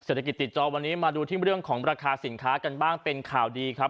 ติดจอวันนี้มาดูที่เรื่องของราคาสินค้ากันบ้างเป็นข่าวดีครับ